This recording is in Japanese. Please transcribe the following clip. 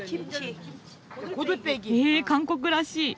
ええ韓国らしい！